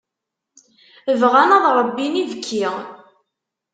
Bɣan ad ṛebbin ibekki.